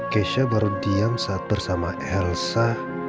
keisha baru diam saat bersama elsa